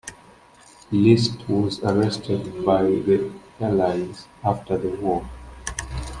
List was arrested by the Allies after the war.